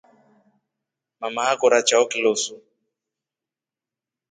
Mama akore chao kilosu.